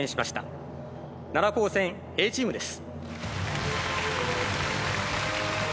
奈良高専Ａチームです。